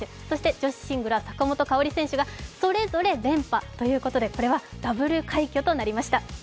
女子シングルは坂本花織選手がそれぞれ連覇ということでこれはダブル快挙となりました。